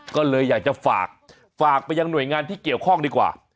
ก็เลยอยากจะฝากไปยังหน่วยงานที่เกี่ยวข้องดีกว่า